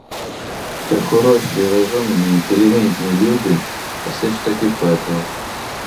Все хороші, розумні, інтелігентні люди, а все ж таки пекло.